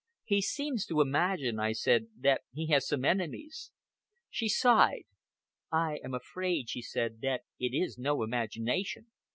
"He seems to imagine," I said, "that he has some enemies." She sighed. "I am afraid," she said, "that it is no imagination."